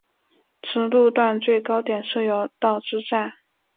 此路段最高点设有道之站。